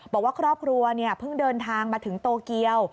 บอกว่าครอบครัวเพิ่งเดินทางมาถึงโตเกียว